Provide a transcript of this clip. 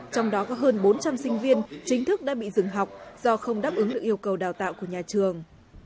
trong đó có hơn bốn trăm linh sinh viên chính thức đã bị dừng học do không đáp ứng được yêu cầu đào tạo của nhà trường